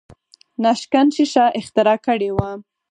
ناشکن ښیښه اختراع کړې وه.